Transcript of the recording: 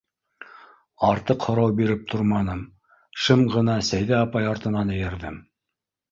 Артыҡ һорау биреп торманым, шым ғына Сәйҙә апай артынан эйәрҙем.